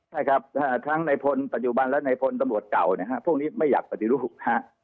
ใช่ครับทั้งในพลปัจจุบันและในพลตำรวจเก่านะฮะพวกนี้ไม่อยากปฏิรูปนะฮะ